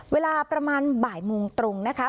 เวลาประมาณบ่ายโมงตรงนะคะ